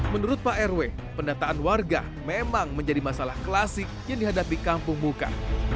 menurut pak rw pendataan warga memang menjadi masalah klasik yang dihadapi kampung muka